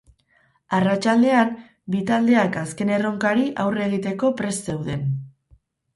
Arratsaldean, bi taldeak azken erronkari aurre egiteko prest zeuden.